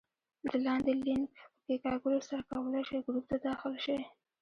د لاندې لینک په کېکاږلو سره کولای شئ ګروپ ته داخل شئ